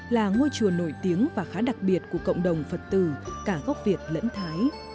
là ngôi chùa nổi tiếng và khá đặc biệt của cộng đồng phật tử cả gốc việt lẫn thái